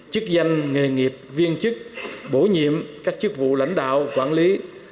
chức danh nghề nghiệp viên chức bổ nhiệm các chức vụ lãnh đạo quản lý